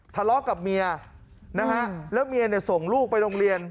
ทะเลาะกับเมียนะฮะแล้วเมียเนี่ยส่งลูกไปโรงเรียน